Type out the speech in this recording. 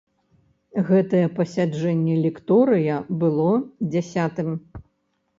Гэтае пасяджэнне лекторыя было дзясятым.